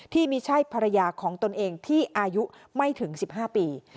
ที่ไม่ใช่ภรรยาของตนเองที่อายุไม่ถึง๑๕ปี